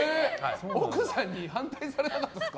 奥さんに反対されなかったですか？